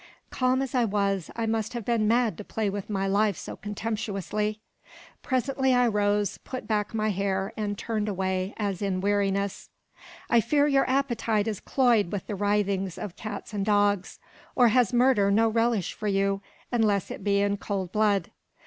Calm as I was, I must have been mad to play with my life so contemptuously. Presently I rose, put back my hair and turned away, as in weariness. "I fear your appetite is cloyed with the writhings of cats and dogs. Or has murder no relish for you, unless it be in cold blood?